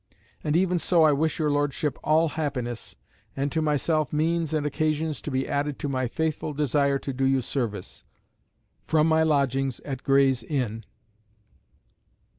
And even so I wish your Lordship all happiness, and to myself means and occasions to be added to my faithful desire to do you service. From my lodgings at Gray's Inn."